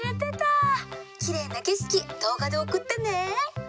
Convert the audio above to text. きれいなけしきどうがでおくってね。